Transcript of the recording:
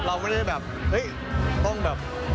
เราก็ไม่ได้แบบต้องแบบ